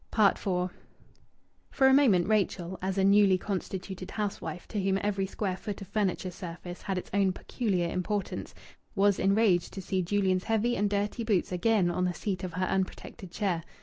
IV For a moment Rachel, as a newly constituted housewife to whom every square foot of furniture surface had its own peculiar importance, was enraged to see Julian's heavy and dirty boots again on the seat of her unprotected chair.